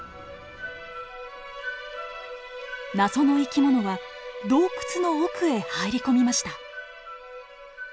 謎の生き物は洞窟の奥へ入り込みました。